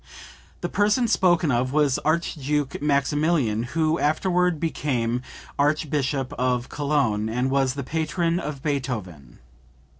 The person spoken of was Archduke Maximilian, who afterward became Archbishop of Cologne, and was the patron of Beethoven.